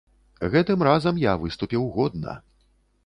Гэтым разам я выступіў годна.